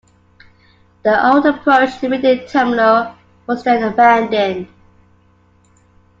The old approach to Reading Terminal was then abandoned.